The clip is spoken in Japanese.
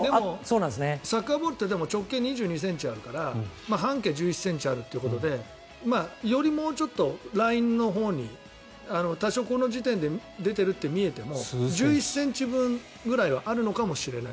サッカーボールって直径２２ｃｍあるから半径１１ｃｍあるということでよりもうちょっとラインのほうに多少、この時点で出ているって見えても１１ｃｍ分くらいはあるのかもしれない。